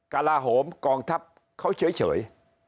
กระลาโหมกองทัพเขาเฉย